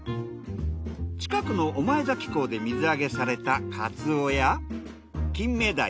近くの御前崎港で水揚げされたカツオやキンメダイ。